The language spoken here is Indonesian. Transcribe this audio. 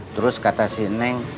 terus kata si neng